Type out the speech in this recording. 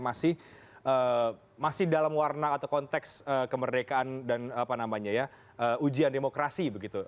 masih dalam warna atau konteks kemerdekaan dan ujian demokrasi begitu